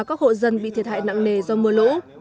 các hộ dân bị thiệt hại nặng nề do mưa lũ